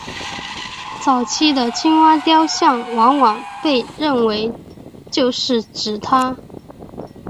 早期的青蛙雕像往往被认为就是指她。